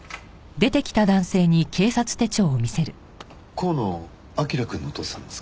河野彬くんのお父さんですか？